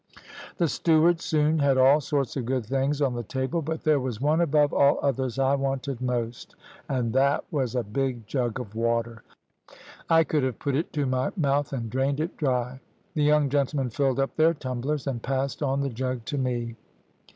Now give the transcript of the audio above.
"The steward soon had all sorts of good things on the table, but there was one above all others I wanted most, and that was a big jug of water; I could have put it to my mouth and drained it dry. The young gentlemen filled up their tumblers, and passed on the jug to me.